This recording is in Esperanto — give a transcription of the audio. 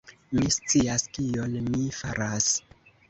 Mi scias, kion mi faras.